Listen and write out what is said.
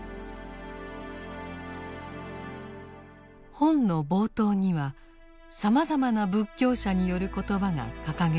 本の冒頭にはさまざまな仏教者による言葉が掲げられています。